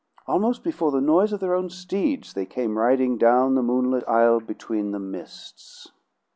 Almost before the noise of their own steeds they came riding down the moonlit aisle between the mists.